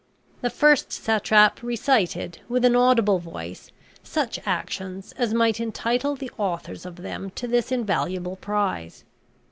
The first satrap recited, with an audible voice, such actions as might entitle the authors of them to this invaluable prize.